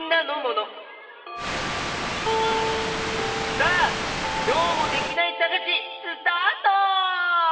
さあきょうもできないさがしスタート！